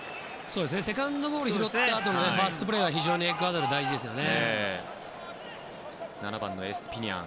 セカンドボールを拾ったあとのファーストプレーがエクアドルは非常に大事ですね。